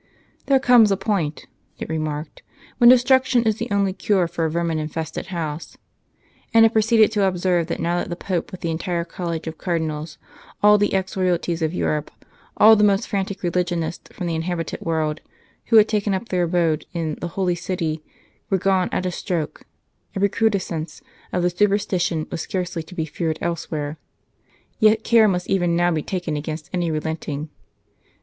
"There comes a point," it remarked, "when destruction is the only cure for a vermin infested house," and it proceeded to observe that now that the Pope with the entire College of Cardinals, all the ex Royalties of Europe, all the most frantic religionists from the inhabited world who had taken up their abode in the "Holy City" were gone at a stroke, a recrudescence of the superstition was scarcely to be feared elsewhere. Yet care must even now be taken against any relenting.